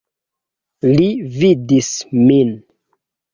Li vidis min.